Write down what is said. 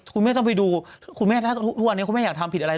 ครูแม่ต้องไปดูมาบอกว่าครูแม่อยากทำผิดอะไร